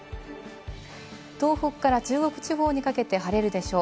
東北から中国地方にかけて晴れるでしょう。